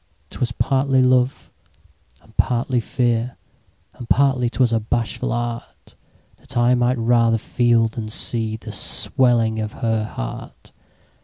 'Twas partly love, and partly fear. And partly 'twas a bashful artThat I might rather feel, than see, The swelling of her heart.